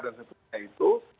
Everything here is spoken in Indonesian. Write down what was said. dan sebagainya itu